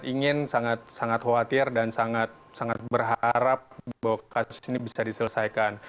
ingin sangat sangat khawatir dan sangat berharap bahwa kasus ini bisa diselesaikan